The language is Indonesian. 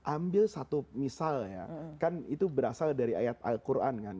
ambil satu misalnya kan itu berasal dari ayat al quran kan